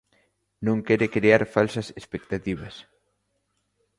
Non quere crear falsas expectativas.